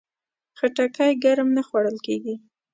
خټکی ګرم نه خوړل کېږي.